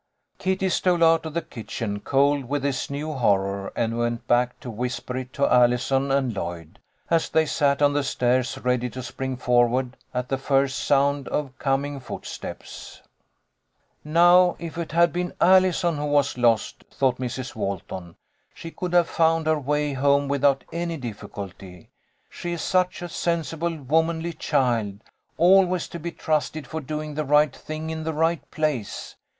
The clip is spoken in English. Kitty stole out of the kitchen cold with this new horror, and went back to whisper it to Allison and Lloyd, as they sat on the stairs ready to spring for ward at the first sound of coming footsteps. 196 THE LITTLE COLONEL'S HOLIDAYS. " Now if it had been Allison who was lost," thought Mrs. Walton, "she could have found her way home without any difficulty. She is such a sensible, womanly child, always to be trusted for doing the right thing in the right place.